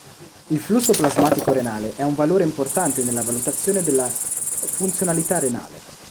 Il flusso plasmatico renale è un valore importante nella valutazione della funzionalità renale.